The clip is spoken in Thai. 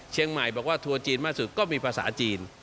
เชียงใหม่บอกว่าทัวร์จีนมากที่สุดก็มีภาษาจีน